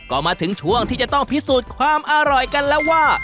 ก็มาถึงช่วงที่จะต้องพิสูจน์ความอร่อยกันแล้วว่า